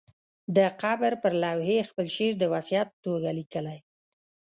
د قبر پر لوحې یې خپل شعر د وصیت په توګه لیکلی.